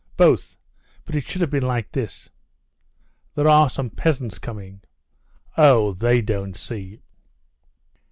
"Both. But it should have been like this...." "There are some peasants coming...." "Oh, they didn't see."